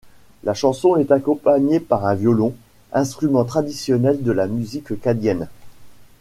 La chanson est accompagnée par un violon, instrument traditionnel de la musique cadienne.